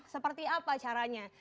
seperti apa caranya